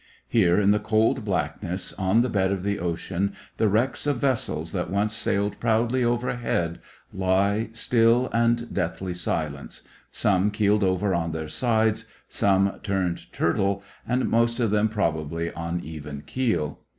Here in the cold blackness, on the bed of the ocean, the wrecks of vessels that once sailed proudly overhead lie still and deathly silent some keeled over on their sides, some turned turtle, and most of them probably on even keel.